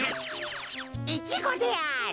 イチゴである。